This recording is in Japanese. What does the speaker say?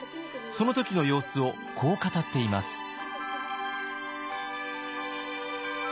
その時の様子をこう語っています。